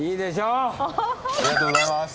ありがとうございます。